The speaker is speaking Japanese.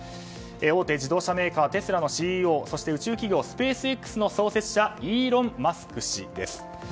大手自動車メーカーテスラのＣＥＯそして宇宙企業スペースＸの創設者イーロン・マスク氏です。